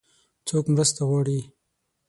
څوک مرسته غواړي؟